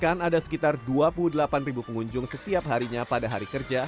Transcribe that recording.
ada sekitar dua puluh delapan pengunjung setiap harinya pada hari kerja